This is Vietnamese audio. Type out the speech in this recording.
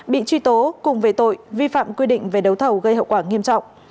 bị truy tố cùng về tội vi phạm quy định về đấu thầu gây hậu quả nghiêm trọng